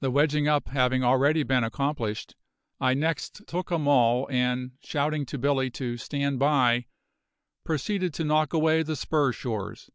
The wedging up having already been accomplished, I next took a maul and, shouting to Billy to "stand by", proceeded to knock away the spur shores.